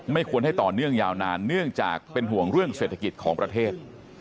ควรให้ต่อเนื่องยาวนานเนื่องจากเป็นห่วงเรื่องเศรษฐกิจของประเทศ